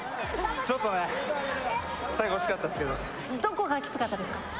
ちょっとね最後惜しかったですけどどこがキツかったですか？